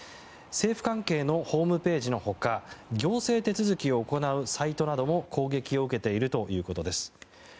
政府関係のホームページの他行政手続きを行うサイトなども攻撃を受けているということです。